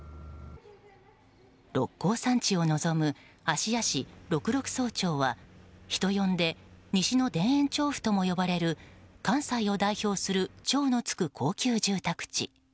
六甲山地を望む芦屋市六麓荘町は人呼んで西の田園調布とも呼ばれる関西を代表する超のつく高級住宅地。